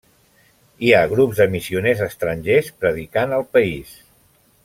Hi ha grups de missioners estrangers predicant al país.